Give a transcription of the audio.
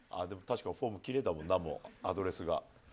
でも確かにフォームキレイだもんなもうアドレスが。